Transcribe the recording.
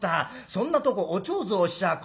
そんなとこおちょうずをしちゃあ困りますよ』